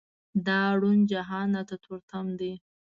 دا روڼ جهان راته تور تم دی.